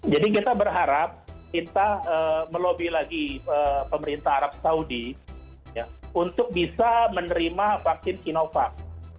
jadi kita berharap kita melobi lagi pemerintah arab saudi untuk bisa menerima vaksin sinovac